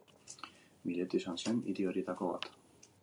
Mileto izan zen hiri horietako bat.